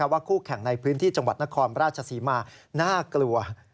คู่แข่งในพื้นที่จังหวัดนครราชศรีมาน่ากลัว